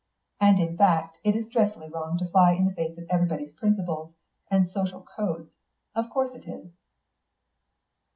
And, in fact, it is dreadfully wrong to fly in the face of everybody's principles and social codes; of course it is."